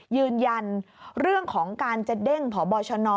ยืนยันเรื่องของการจะเด้งพบชน